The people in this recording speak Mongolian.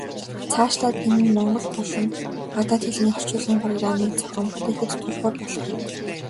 Цаашлаад энэ нь монгол болон гадаад хэлний орчуулгын программыг зохион бүтээхэд тулгуур болох юм.